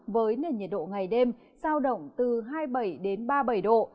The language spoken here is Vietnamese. với nền nhiệt độ ngày đêm sao động từ hai mươi bảy ba mươi bảy độ